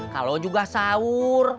kalau juga sahur